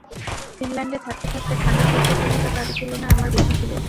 ফিনল্যান্ডে থাকতে থাকতে ঠান্ডা সহ্য ক্ষমতা তাদের তুলনায় আমার বেশি ছিল।